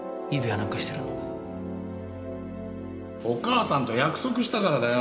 お母さんと約束したからだよ。